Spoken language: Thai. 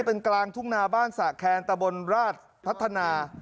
เป็นกลางทุ่งนาบ้านสระแคนตะบนราชพัฒนา